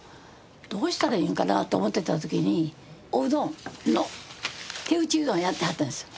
どうしたらいいんかなと思ってた時におうどんの手打ちうどんやってはったんですよ。